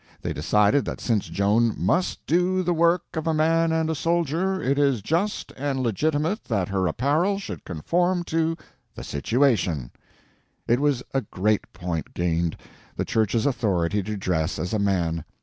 They decided that since Joan "must do the work of a man and a soldier, it is just and legitimate that her apparel should conform to the situation." It was a great point gained, the Church's authority to dress as a man.